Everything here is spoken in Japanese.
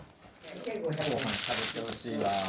ごはん食べてほしいわ。